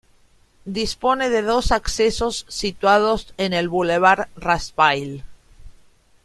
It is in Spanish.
Dispone de dos accesos situados en el bulevar Raspail.